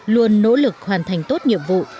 luôn nỗ lực hoàn thành tốt nhiệm vụ